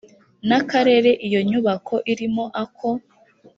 n akarere iyo nyubako irimo ako